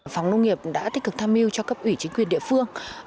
phòng nông nghiệp đã tích cực tham mưu cho cấp ủy chính quyền địa phương